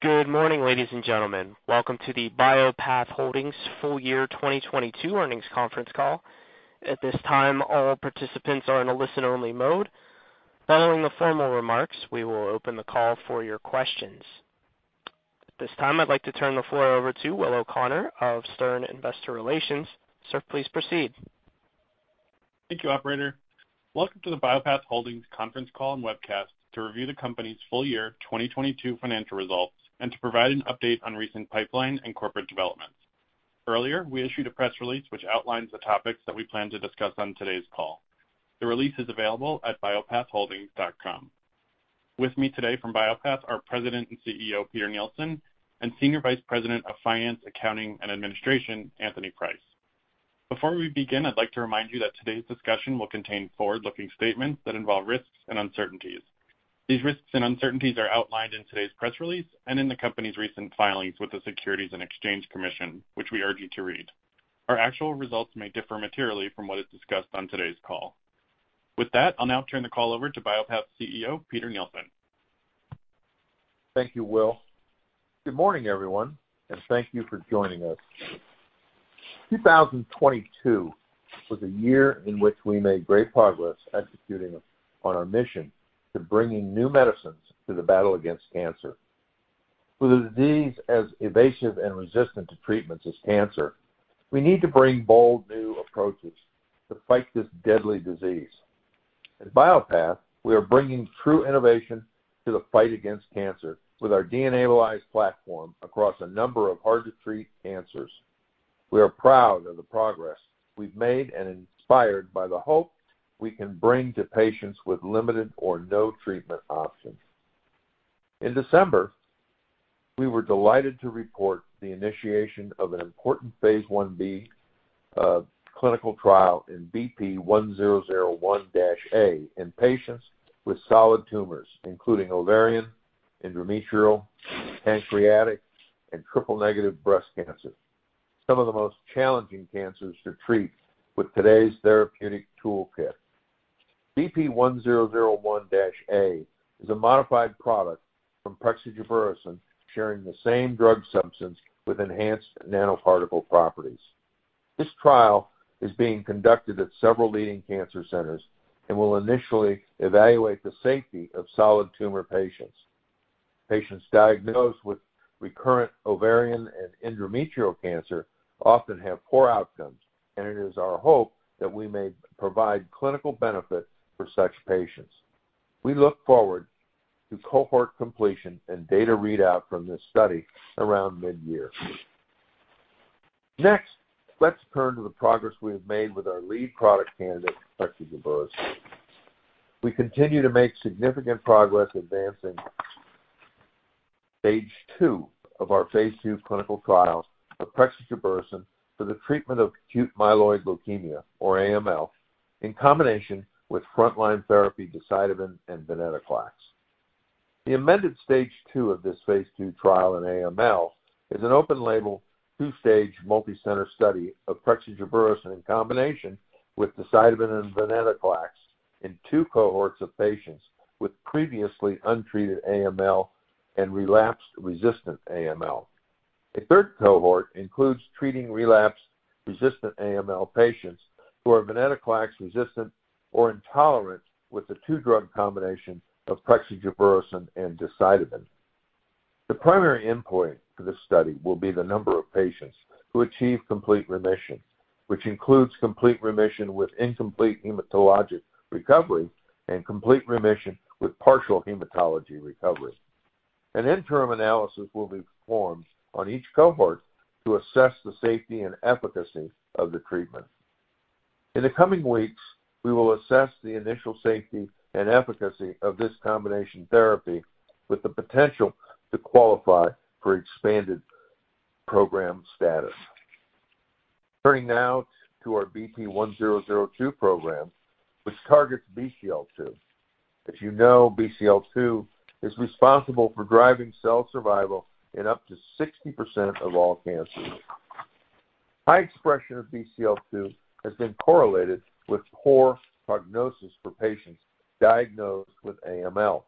Good morning, ladies and gentlemen. Welcome to the Bio-Path Holdings Full Year 2022 Earnings Conference Call. At this time, all participants are in a listen-only mode. Following the formal remarks, we will open the call for your questions. At this time, I'd like to turn the floor over to Will O'Connor of Stern Investor Relations. Sir, please proceed. Thank you, operator. Welcome to the Bio-Path Holdings conference call and webcast to review the company's full year 2022 financial results and to provide an update on recent pipeline and corporate developments. Earlier, we issued a press release which outlines the topics that we plan to discuss on today's call. The release is available at biopathholdings.com. With me today from Bio-Path are President and CEO, Peter Nielsen, and Senior Vice President of Finance, Accounting, and Administration, Anthony Price. Before we begin, I'd like to remind you that today's discussion will contain forward-looking statements that involve risks and uncertainties. These risks and uncertainties are outlined in today's press release and in the company's recent filings with the Securities and Exchange Commission, which we urge you to read. Our actual results may differ materially from what is discussed on today's call. With that, I'll now turn the call over to Bio-Path's CEO, Peter Nielsen. Thank you, Will. Good morning, everyone, and thank you for joining us. 2022 was a year in which we made great progress executing on our mission to bringing new medicines to the battle against cancer. For the disease as evasive and resistant to treatments as cancer, we need to bring bold new approaches to fight this deadly disease. At Bio-Path, we are bringing true innovation to the fight against cancer with our DNAbilize platform across a number of hard-to-treat cancers. We are proud of the progress we've made and inspired by the hope we can bring to patients with limited or no treatment options. In December, we were delighted to report the initiation of an important phase I-B clinical trial in BP1001-A in patients with solid tumors, including ovarian, endometrial, pancreatic, and triple-negative breast cancer, some of the most challenging cancers to treat with today's therapeutic toolkit. BP1001-A is a modified product from prexigebersen, sharing the same drug substance with enhanced nanoparticle properties. This trial is being conducted at several leading cancer centers and will initially evaluate the safety of solid tumor patients. Patients diagnosed with recurrent ovarian and endometrial cancer often have poor outcomes, and it is our hope that we may provide clinical benefit for such patients. We look forward to cohort completion and data readout from this study around mid-year. Next, let's turn to the progress we have made with our lead product candidate, prexigebersen. We continue to make significant progress advancing stage two of our phase II clinical trials of prexigebersen for the treatment of acute myeloid leukemia or AML in combination with frontline therapy decitabine and venetoclax. The amended stage two of this phase II trial in AML is an open label, two-stage multicenter study of prexigebersen in combination with decitabine and venetoclax in two cohorts of patients with previously untreated AML and relapsed resistant AML. A third cohort includes treating relapsed resistant AML patients who are venetoclax resistant or intolerant with the two-drug combination of prexigebersen and decitabine. The primary endpoint for this study will be the number of patients who achieve complete remission, which includes complete remission with incomplete hematologic recovery and complete remission with partial hematologic recovery. An interim analysis will be performed on each cohort to assess the safety and efficacy of the treatment. In the coming weeks, we will assess the initial safety and efficacy of this combination therapy with the potential to qualify for expanded program status. Turning now to our BP1002 program, which targets Bcl-2. As you know, Bcl-2 is responsible for driving cell survival in up to 60% of all cancers. High expression of Bcl-2 has been correlated with poor prognosis for patients diagnosed with AML.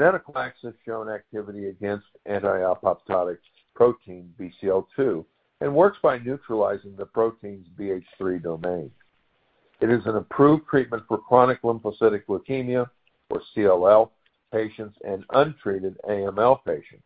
venetoclax has shown activity against anti-apoptotic protein Bcl-2 and works by neutralizing the protein's BH3 domain. It is an approved treatment for chronic lymphocytic leukemia or CLL patients and untreated AML patients.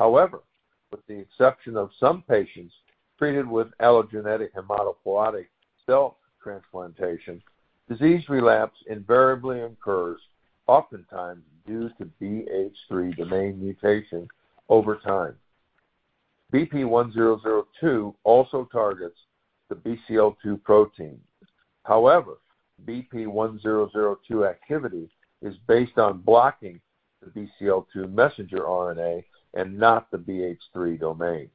With the exception of some patients treated with allogeneic and autologous cell transplantation, disease relapse invariably occurs, oftentimes due to BH3 domain mutation over time. BP1002 also targets the Bcl-2 protein. BP1002 activity is based on blocking the Bcl-2 messenger RNA and not the BH3 domain.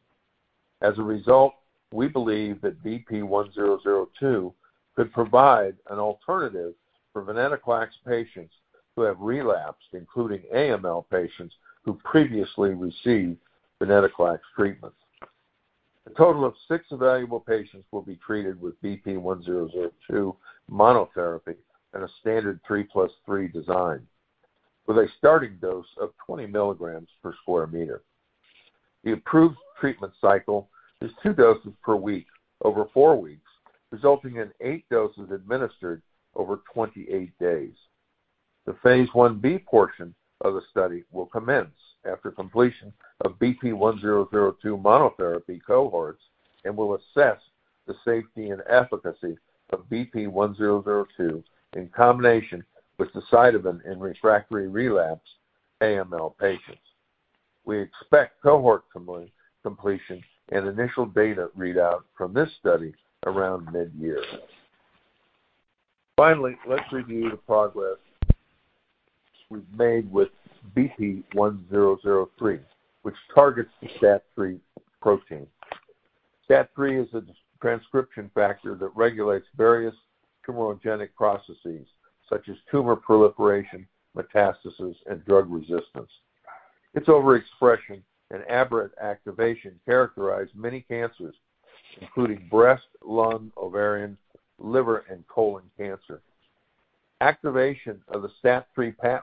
We believe that BP1002 could provide an alternative for venetoclax patients who have relapsed, including AML patients who previously received venetoclax treatment. A total of six evaluable patients will be treated with BP1002 monotherapy in a standard 3+3 design with a starting dose of 20 milligrams per square meter. The approved treatment cycle is two doses per week over four weeks, resulting in eight doses administered over 28 days. The phase I-B portion of the study will commence after completion of BP1002 monotherapy cohorts and will assess the safety and efficacy of BP1002 in combination with the decitabine in refractory relapse AML patients. We expect cohort completion and initial data readout from this study around mid-year. Finally, let's review the progress we've made with BP1003, which targets the STAT3 protein. STAT3 is a transcription factor that regulates various tumorigenic processes such as tumor proliferation, metastasis, and drug resistance. Its overexpression and aberrant activation characterize many cancers, including breast, lung, ovarian, liver, and colon cancer. Activation of the STAT3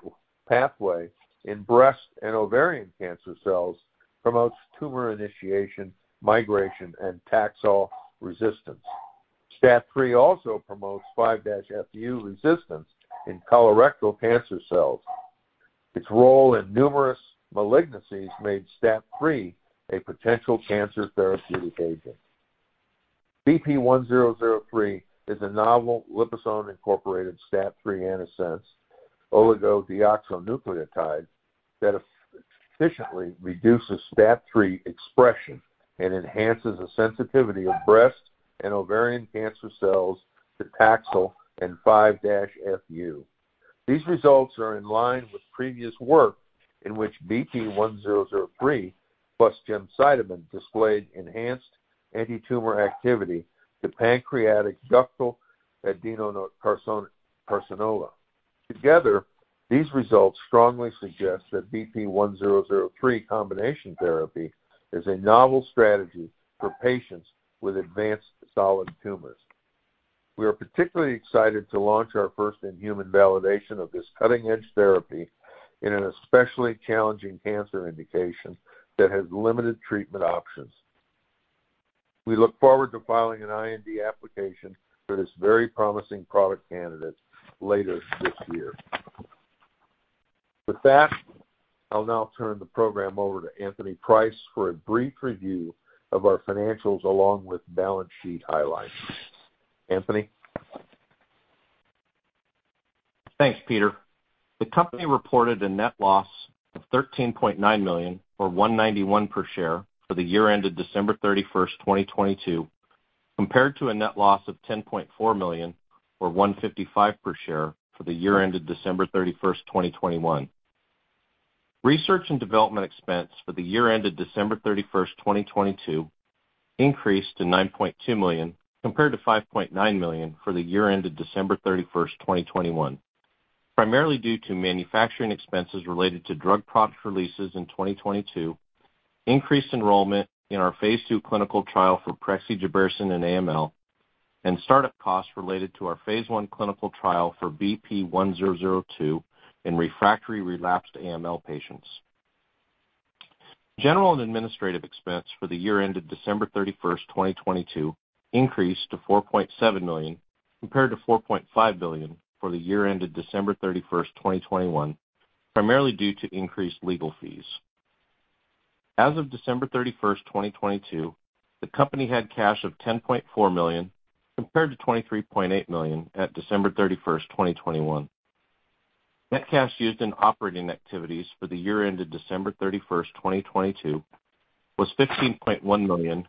pathway in breast and ovarian cancer cells promotes tumor initiation, migration, and Taxol resistance. STAT3 also promotes 5-FU resistance in colorectal cancer cells. Its role in numerous malignancies made STAT3 a potential cancer therapeutic agent. BP1003 is a novel liposome-incorporated STAT3 antisense oligodeoxynucleotide that efficiently reduces STAT3 expression and enhances the sensitivity of breast and ovarian cancer cells to Taxol and 5-FU. These results are in line with previous work in which BP1003 plus gemcitabine displayed enhanced antitumor activity to pancreatic ductal adenocarcinoma. These results strongly suggest that BP1003 combination therapy is a novel strategy for patients with advanced solid tumors. We are particularly excited to launch our first in-human validation of this cutting-edge therapy in an especially challenging cancer indication that has limited treatment options. We look forward to filing an IND application for this very promising product candidate later this year. I'll now turn the program over to Anthony Price for a brief review of our financials along with balance sheet highlights. Anthony? Thanks, Peter. The company reported a net loss of $13.9 million or $1.91 per share for the year ended December 31st, 2022, compared to a net loss of $10.4 million or $1.55 per share for the year ended December 31st, 2021. Research and development expense for the year ended December 31st, 2022 increased to $9.2 million compared to $5.9 million for the year ended December 31st, 2021, primarily due to manufacturing expenses related to drug product releases in 2022, increased enrollment in our phase II clinical trial for prexigebersen in AML, and start-up costs related to our phase I clinical trial for BP1002 in refractory relapsed AML patients. General and administrative expense for the year ended December 31st, 2022 increased to $4.7 million compared to $4.5 million for the year ended December 31st, 2021, primarily due to increased legal fees. As of December 31st, 2022, the company had cash of $10.4 million compared to $23.8 million at December 31st, 2021. Net cash used in operating activities for the year ended December 31st, 2022 was $15.1 million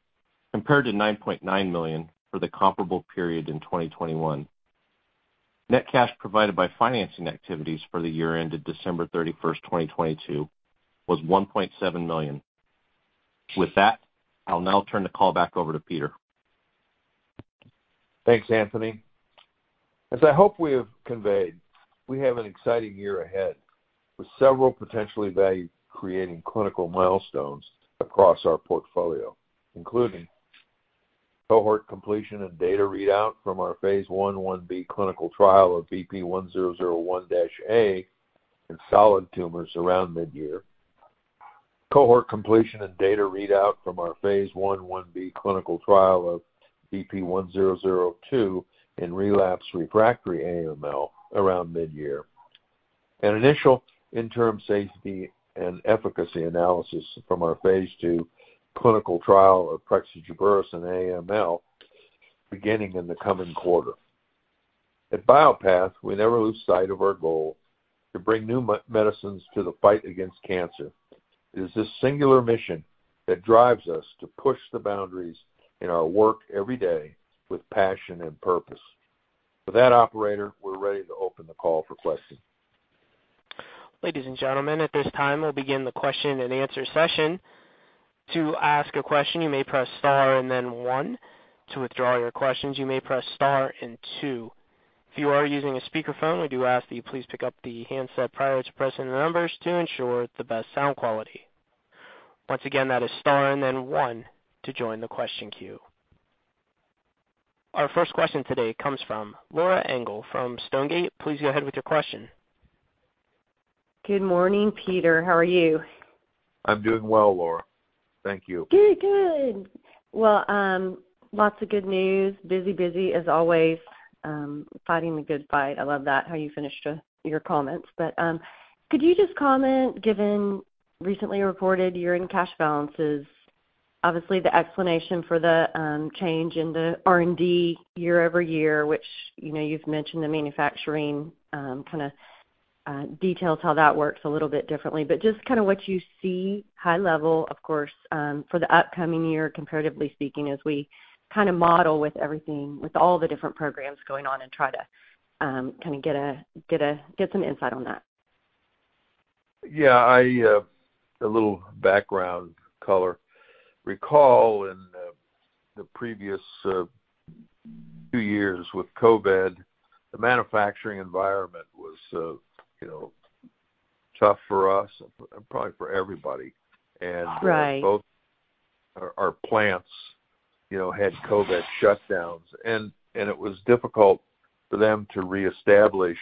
compared to $9.9 million for the comparable period in 2021. Net cash provided by financing activities for the year ended December 31st, 2022 was $1.7 million. With that, I'll now turn the call back over to Peter. Thanks, Anthony. As I hope we have conveyed, we have an exciting year ahead with several potentially value-creating clinical milestones across our portfolio, including cohort completion and data readout from our phase I/I-B clinical trial of BP1001-A in solid tumors around mid-year, cohort completion and data readout from our phase I/I-B clinical trial of BP1002 in relapse refractory AML around mid-year, an initial interim safety and efficacy analysis from our phase II clinical trial of prexigebersen AML beginning in the coming quarter. At Bio-Path, we never lose sight of our goal to bring new medicines to the fight against cancer. It is this singular mission that drives us to push the boundaries in our work every day with passion and purpose. With that, operator, we're ready to open the call for questions. Ladies and gentlemen, at this time, we'll begin the question-and-answer session. To ask a question, you may press star and then one. To withdraw your questions, you may press star and two. If you are using a speakerphone, we do ask that you please pick up the handset prior to pressing the numbers to ensure the best sound quality. Once again, that is star and then one to join the question queue. Our first question today comes from Laura Engel from Stonegate. Please go ahead with your question. Good morning, Peter. How are you? I'm doing well, Laura. Thank you. Good. Good. Well, lots of good news. Busy, busy as always, fighting the good fight. I love that, how you finished your comments. Could you just comment, given recently reported year-end cash balances, obviously the explanation for the change in the R&D year-over-year, which, you know, you've mentioned the manufacturing, kind of, details how that works a little bit differently. Just kinda what you see high level, of course, for the upcoming year, comparatively speaking, as we kinda model with all the different programs going on and try to get some insight on that. I, a little background color, recall in the previous two years with COVID, the manufacturing environment was, you know, tough for us and probably for everybody. Right. Both our plants, you know, had COVID shutdowns, and it was difficult for them to reestablish,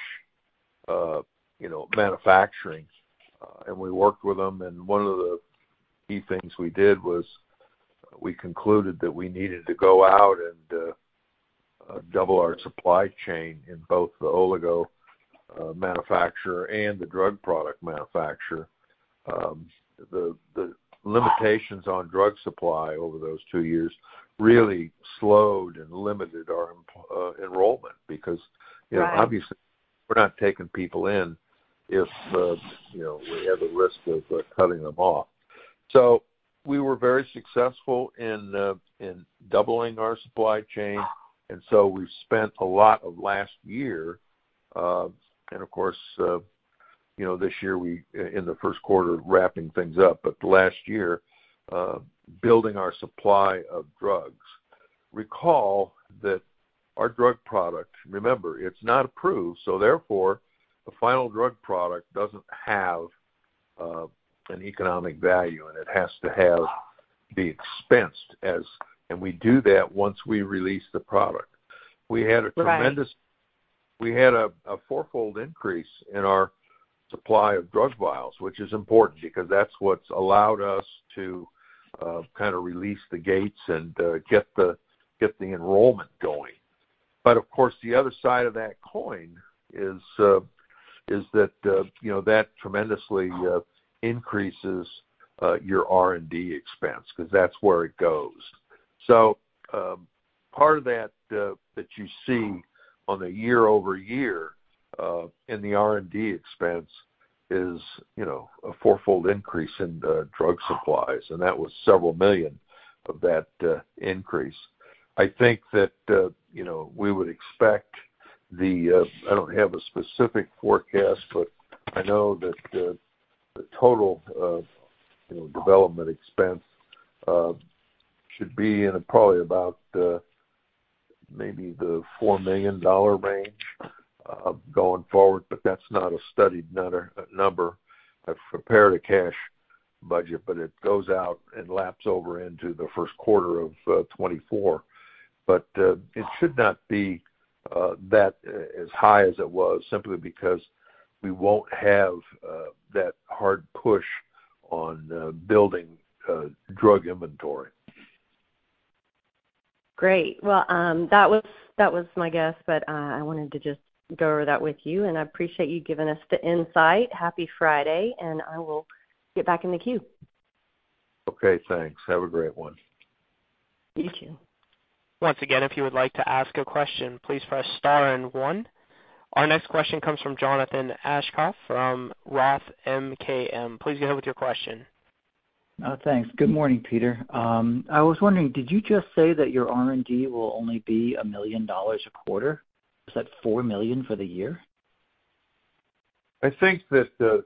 you know, manufacturing. We worked with them, and one of the key things we did was we concluded that we needed to go out and double our supply chain in both the oligo manufacturer and the drug product manufacturer. The limitations on drug supply over those two years really slowed and limited our enrollment because- Right. you know, obviously we're not taking people in if, you know, we have a risk of cutting them off. We were very successful in doubling our supply chain. We've spent a lot of last year, and of course, you know, this year in the first quarter wrapping things up. Last year, building our supply of drugs. Recall that our drug product, remember, it's not approved, so therefore the final drug product doesn't have an economic value, and it has to be expensed as and we do that once we release the product. Right. We had a four-fold increase in our supply of drug vials, which is important because that's what's allowed us to kind of release the gates and get the enrollment going. Of course, the other side of that coin is that, you know, that tremendously increases your R&D expense 'cause that's where it goes. Part of that you see on a year-over-year in the R&D expense is, you know, a four-fold increase in drug supplies, and that was several million of that increase. I think that, you know, we would expect the- I don't have a specific forecast, but I know that the total, you know, development expense should be in probably about maybe the $4 million range going forward, but that's not a studied number. I've prepared a cash budget, but it goes out and laps over into the first quarter of 2024. It should not be that as high as it was simply because we won't have that hard push on building drug inventory. Great. Well, that was my guess, but I wanted to just go over that with you. I appreciate you giving us the insight. Happy Friday. I will get back in the queue. Okay. Thanks. Have a great one. You too. Once again, if you would like to ask a question, please press star and one. Our next question comes from Jonathan Aschoff from ROTH MKM. Please go ahead with your question. thanks. Good morning, Peter. I was wondering, did you just say that your R&D will only be $1 million a quarter? Is that $4 million for the year? I think that the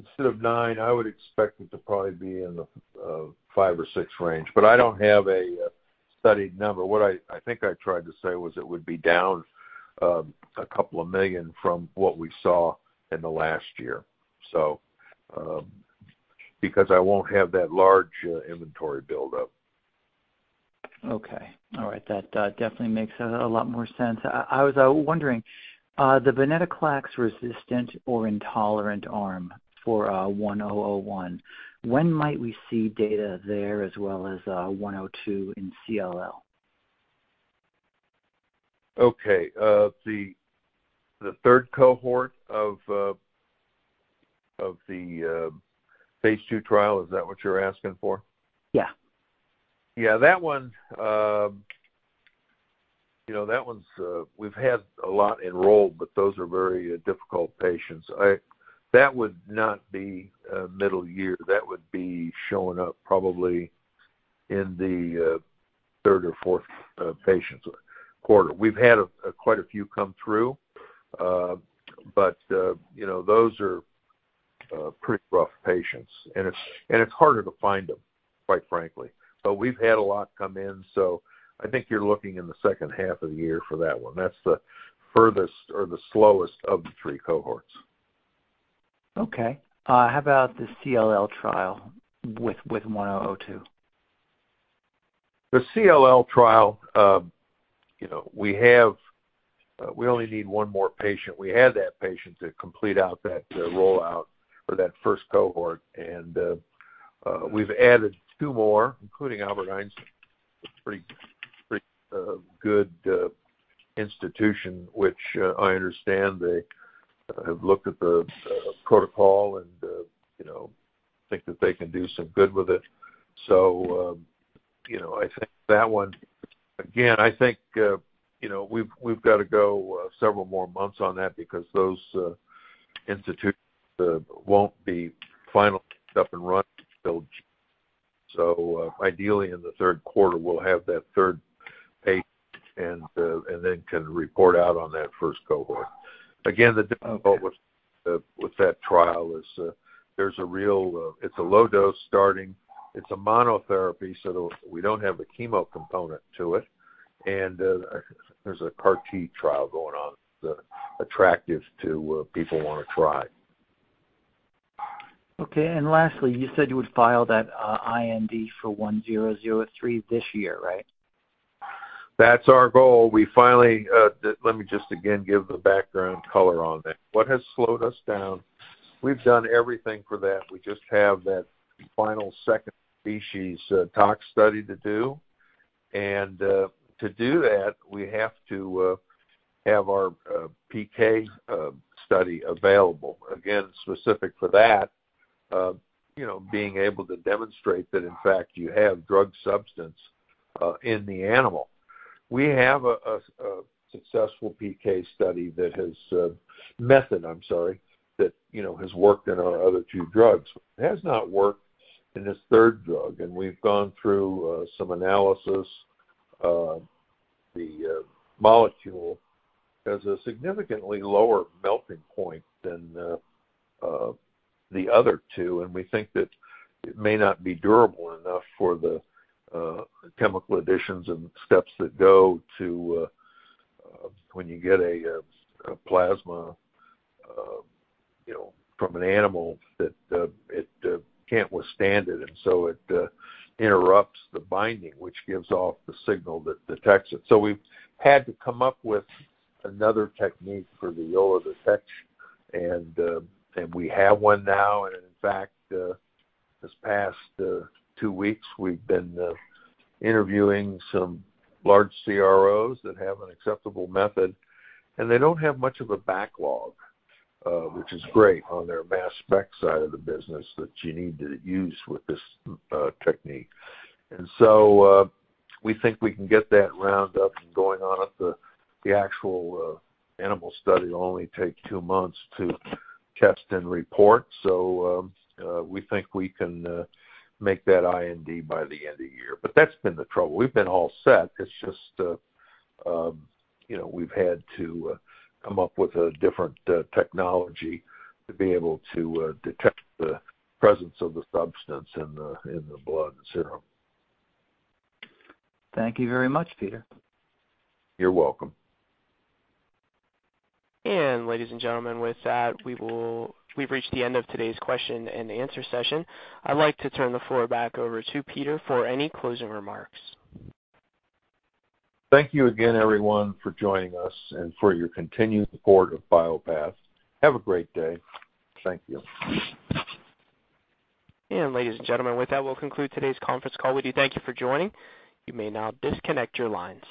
instead of nine, I would expect it to probably be in the five or six range. I don't have a studied number. What I think I tried to say was it would be down a couple of million from what we saw in the last year, because I won't have that large inventory buildup. Okay. All right. That definitely makes a lot more sense. I was wondering the venetoclax-resistant or intolerant arm for BP1001, when might we see data there as well as BP1002 in CLL? Okay. The third cohort of the phase II trial, is that what you're asking for? Yeah. Yeah, that one, you know, that one's, we've had a lot enrolled, but those are very difficult patients. That would not be middle year. That would be showing up probably in the third or fourth quarter. We've had quite a few come through. You know, those are pretty rough patients. It's harder to find them, quite frankly. We've had a lot come in, so I think you're looking in the second half of the year for that one. That's the furthest or the slowest of the three cohorts. Okay. How about the CLL trial with BP1002? The CLL trial, you know, we only need one more patient. We had that patient to complete out that rollout for that first cohort. We've added two more, including Albert Einstein. It's a pretty good institution, which I understand they have looked at the protocol and, you know, think that they can do some good with it. You know, I think, you know, we've got to go several more months on that because those institutes won't be final up and running till June. Ideally in the third quarter, we'll have that third patient and then can report out on that first cohort. Again, the difficult with that trial is there's a real. it's a low dose starting. It's a monotherapy, so we don't have a chemo component to it. There's a CAR T trial going on that's attractive to people who wanna try. Okay. Lastly, you said you would file that IND for BP1003 this year, right? That's our goal. We finally, let me just again give the background color on that. What has slowed us down, we've done everything for that. We just have that final second species, tox study to do. To do that, we have to have our PK study available. Again, specific for that, you know, being able to demonstrate that, in fact, you have drug substance in the animal. We have a successful PK study that, you know, has worked in our other two drugs. It has not worked in this third drug, and we've gone through some analysis. The molecule has a significantly lower melting point than the other two, and we think that it may not be durable enough for the chemical additions and steps that go to when you get a plasma, you know, from an animal that it can't withstand it. It interrupts the binding, which gives off the signal that detects it. So we've had to come up with another technique for the allele detection. We have one now. In fact, this past two weeks, we've been interviewing some large CROs that have an acceptable method, and they don't have much of a backlog, which is great on their mass spec side of the business that you need to use with this technique. We think we can get that round up and going on at the actual animal study will only take two months to test and report. We think we can, make that IND by the end of the year. That's been the trouble. We've been all set. It's just, you know, we've had to, come up with a different, technology to be able to, detect the presence of the substance in the, in the blood serum. Thank you very much, Peter. You're welcome. Ladies and gentlemen, with that, we've reached the end of today's question-and-answer session. I'd like to turn the floor back over to Peter for any closing remarks. Thank you again, everyone, for joining us and for your continued support of Bio-Path. Have a great day. Thank you. ladies and gentlemen, with that, we'll conclude today's conference call. We do thank you for joining. You may now disconnect your lines.